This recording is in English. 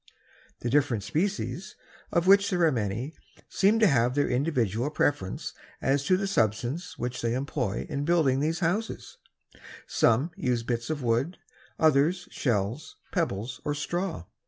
The different species, of which there are many, seem to have their individual preference as to the substance which they employ in building these houses, some using bits of wood, others shells, pebbles, or straws.